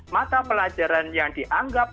mata pelajaran yang dianggap